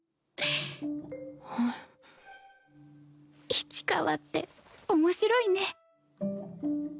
市川って面白いね。